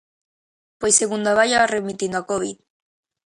Pois segundo vaia remitindo a covid.